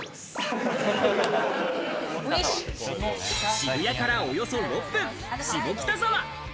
渋谷からおよそ６分、下北沢。